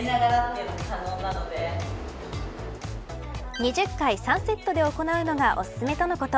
２０回３セットで行うのがおすすめとのこと。